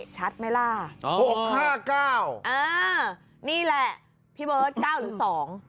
ชัดไหมล่ะอ๋อหกห้าเก้าอ่านี่แหละพี่เบิร์ตเก้าหรือสอง